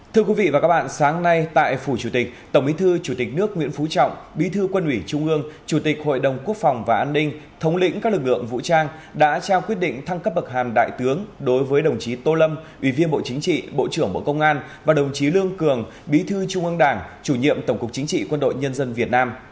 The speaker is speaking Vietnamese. thưa quý vị và các bạn sáng nay tại phủ chủ tịch tổng bí thư chủ tịch nước nguyễn phú trọng bí thư quân ủy trung ương chủ tịch hội đồng quốc phòng và an ninh thống lĩnh các lực lượng vũ trang đã trao quyết định thăng cấp bậc hàm đại tướng đối với đồng chí tô lâm ủy viên bộ chính trị bộ trưởng bộ công an và đồng chí lương cường bí thư trung ương đảng chủ nhiệm tổng cục chính trị quân đội nhân dân việt nam